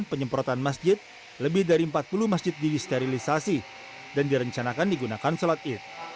penyemprotan masjid lebih dari empat puluh masjid disterilisasi dan direncanakan digunakan sholat id